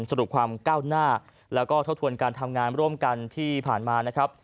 สรุปความก้าวหน้าและทดทวนการทำงานร่วมกันที่ผ่านมา